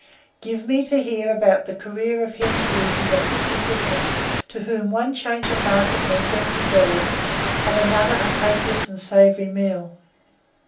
Give me to hear about the career of him who is in the thick of business; to whom one change of market means empty belly, and another a copious and savoury meal.